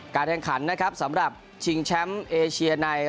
การแทนขันสำหรับชิงแชมป์เอเชียในรอบเข้าเลือก